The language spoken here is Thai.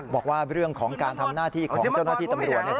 บอกว่าเรื่องของการทำหน้าที่ของเจ้าหน้าที่ตำรวจ